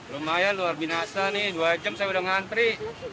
lumayan luar biasa nih dua jam saya sudah mengantri